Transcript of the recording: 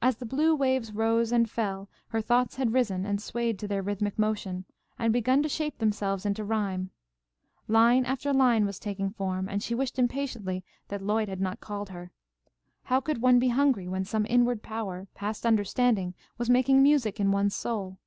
As the blue waves rose and fell, her thoughts had risen and swayed to their rhythmic motion, and begun to shape themselves into rhyme. Line after line was taking form, and she wished impatiently that Lloyd had not called her. How could one be hungry when some inward power, past understanding, was making music in one's soul?